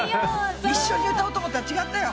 一緒に歌おうと思ったらちがったよ。